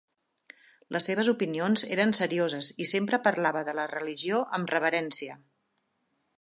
Les seves opinions eren serioses i sempre parlava de la religió amb reverència.